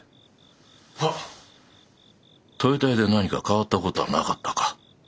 豊田屋で何か変わった事はなかったか？